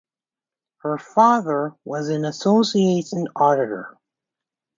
Her father was an association auditor.